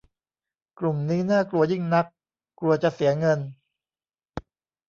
กลุ่มนี้น่ากลัวยิ่งนัก กลัวจะเสียเงิน